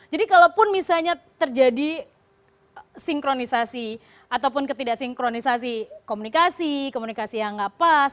jadi kalau pun misalnya terjadi sinkronisasi ataupun ketidaksinkronisasi komunikasi komunikasi yang gak pas